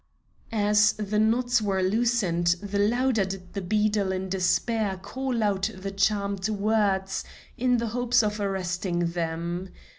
As the knots were loosened, the louder did the beadle in despair call out the charmed words in the hopes of arresting them.